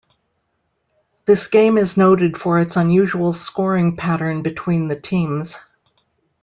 This game is noted for its unusual scoring pattern between the teams.